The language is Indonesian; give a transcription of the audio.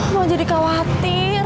mau jadi khawatir